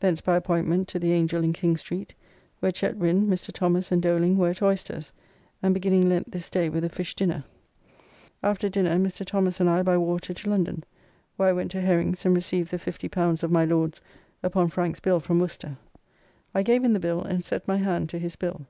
Thence by appointment to the Angel in King Street, where Chetwind, Mr. Thomas and Doling were at oysters, and beginning Lent this day with a fish dinner. After dinner Mr. Thomas and I by water to London, where I went to Herring's and received the L50 of my Lord's upon Frank's bill from Worcester. I gave in the bill and set my hand to his bill.